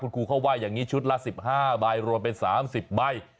ครูเขาว่าอย่างนี้ชุดละ๑๕ใบรวมเป็น๓๐ใบ